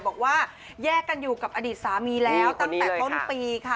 บอกว่าแยกกันอยู่กับอดีตสามีแล้วตั้งแต่ต้นปีค่ะ